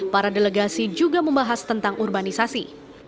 para delegasi juga membahas tentang urbanisasi